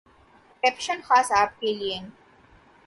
caption خاص آپ کے لیے